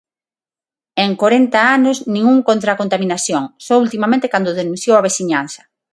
En corenta anos nin un contra a contaminación, só ultimamente cando denunciou a veciñanza.